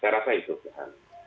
saya rasa itu mbak hanum